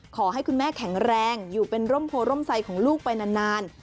ขอให้คุณแม่แข็งแรงอยู่เป็นร่มโพร่มไซของลูกไปนาน